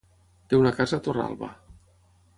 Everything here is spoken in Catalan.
Té una casa a Torralba.